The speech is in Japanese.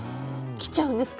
切っちゃうんですか？